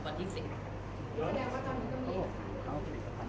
หรือว่าตอนนี้ก็มีอิกษานครับ